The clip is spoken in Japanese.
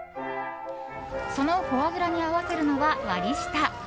そのフォアグラに合わせるのが割り下。